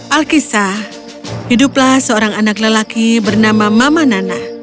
alkisah hiduplah seorang anak lelaki bernama mama nana